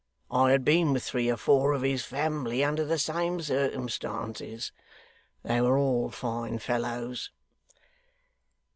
I had been with three or four of his family under the same circumstances. They were all fine fellows.